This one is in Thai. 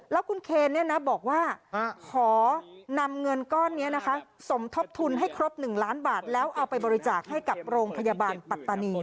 แล้วคุณเคนบอกว่าขอนำเงินก้อนนี้นะคะสมทบทุนให้ครบ๑ล้านบาทแล้วเอาไปบริจาคให้กับโรงพยาบาลปัตตานี